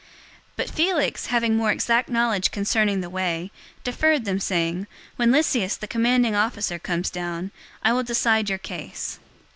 '" 024:022 But Felix, having more exact knowledge concerning the Way, deferred them, saying, "When Lysias, the commanding officer, comes down, I will decide your case."